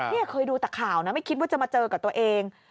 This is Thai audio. นี่เคยดูแต่ข่าวนะไม่คิดว่าจะมาเจอกับตัวเอง